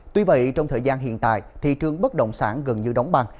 tuy vậy trong thời gian hiện tại thị trường bất động sản gần như đóng băng